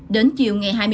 đến chiều ngày hai mươi sáng